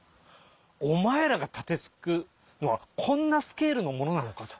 「お前らが盾突くのはこんなスケールのものなのか」と。